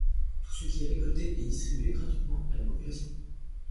Tout ce qui est récolté est distribué gratuitement à la population.